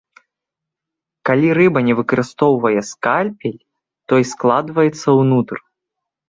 Калі рыба не выкарыстоўвае скальпель, той складваецца ўнутр.